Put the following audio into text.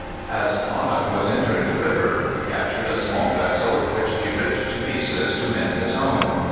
As Bonnet was entering the river he captured a small vessel, which he ripped to pieces to mend his own.